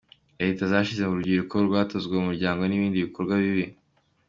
Leta zashize urubyiruko rwatozwaga urwango n’ibindi bikorwa bibi.